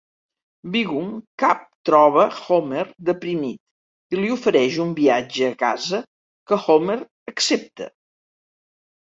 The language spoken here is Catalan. Wiggum cap troba Homer deprimit i li ofereix un viatge a casa, que Homer accepta.